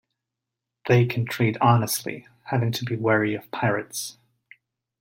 They can trade honestly, having to be wary of pirates.